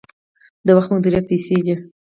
د وخت مدیریت پیسې دي